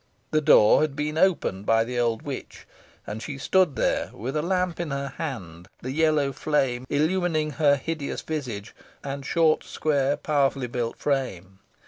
The door had been opened by the old witch, and she stood there with a lamp in her hand, its yellow flame illumining her hideous visage, and short, square, powerfully built frame.